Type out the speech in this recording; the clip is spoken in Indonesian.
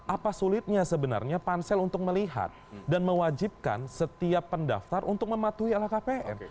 apa sulitnya sebenarnya pansel untuk melihat dan mewajibkan setiap pendaftar untuk mematuhi lhkpn